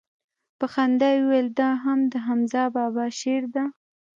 په خندا يې وويل دا هم دحمزه بابا شعر دىه.